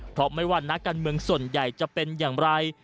เพราะไม่ว่านักการเมืองส่วนใหญ่จะเป็นอย่างไร